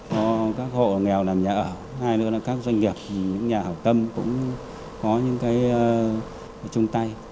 có các hộ nghèo làm nhà ở hai nữa là các doanh nghiệp những nhà hậu tâm cũng có những cái chung tay